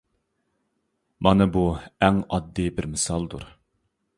مانا بۇ ئەڭ ئاددىي بىر مىسالدۇر.